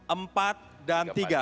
empat dan tiga